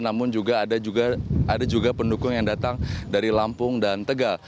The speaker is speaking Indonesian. namun juga ada juga pendukung yang datang dari lampung dan tegal